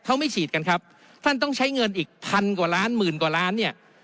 เขาไม่ฉีดกันครับท่านต้องใช้เงินอีกพันกว่าล้านหมื่นกว่าล้านเนี่ย